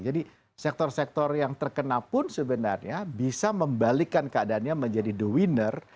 jadi sektor sektor yang terkena pun sebenarnya bisa membalikkan keadaannya menjadi the winner